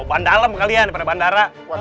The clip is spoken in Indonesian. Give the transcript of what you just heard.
oh bandalem kalian daripada bandara